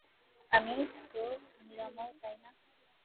আমিই তো নিরাময়, তাই না?